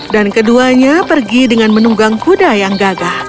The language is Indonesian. dan keduanya pergi dengan menunggang kuda yang gagah